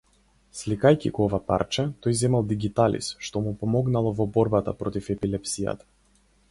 Сликајќи го ова парче, тој земал дигиталис, што му помагало во бората против епилепсијата.